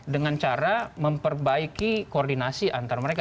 dengan cara memperbaiki koordinasi antar mereka